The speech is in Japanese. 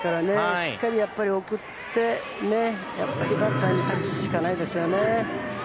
しっかり送ってバッターに託すしかないですよね。